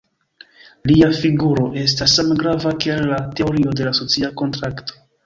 Lia figuro estas same grava kiel la teorio de la socia kontrakto.